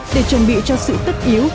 để chuẩn bị cho sự tất yếu